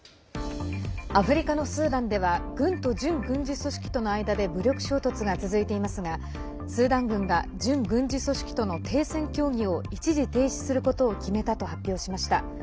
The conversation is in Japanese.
アフリカのスーダンでは軍と準軍事組織との間で武力衝突が続いていますがスーダン軍が準軍事組織との停戦協議を一時停止することを決めたと発表しました。